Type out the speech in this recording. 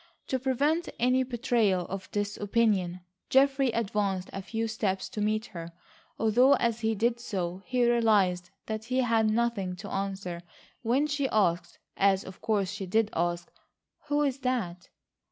To prevent any betrayal of this opinion, Geoffrey advanced a few steps to meet her, although as he did so, he realised that he had nothing to answer when she asked, as of course she did ask: "Who is that?"